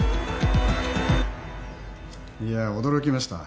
いや驚きました。